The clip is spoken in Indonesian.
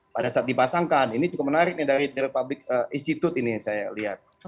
pada saat dipasangkan ini cukup menarik dari the republic institute ini yang saya lihat